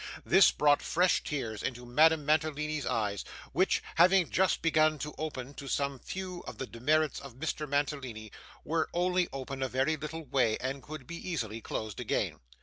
This brought fresh tears into Madame Mantalini's eyes, which having just begun to open to some few of the demerits of Mr. Mantalini, were only open a very little way, and could be easily closed again.